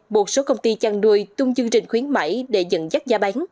một số công ty chăn nuôi tung chương trình khuyến mãi để dẫn dắt giá bán